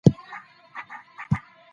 علمي څېړنه د حقیقت موندلو لپاره نده.